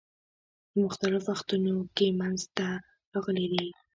په مختلفو وختونو کې منځته راغلي دي.